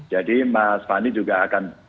jadi mas fani juga akan